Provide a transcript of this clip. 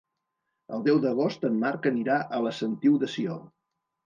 El deu d'agost en Marc anirà a la Sentiu de Sió.